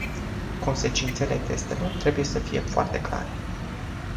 Consecințele testelor trebuie să fie foarte clare.